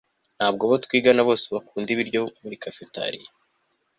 ntabwo abo twigana bose bakunda ibiryo muri cafeteria